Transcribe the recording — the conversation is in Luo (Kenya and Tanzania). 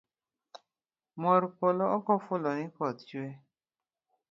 Mor polo ok ofulo ni koth chue